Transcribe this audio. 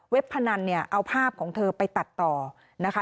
พนันเนี่ยเอาภาพของเธอไปตัดต่อนะคะ